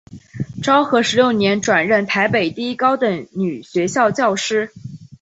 昭和十六年转任台北第一高等女学校教师。